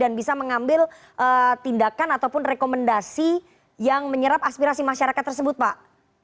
dan bisa mengambil tindakan ataupun rekomendasi yang menyerap aspirasi masyarakat tersebut pak